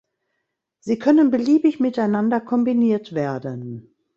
Sie können beliebig miteinander kombiniert werden.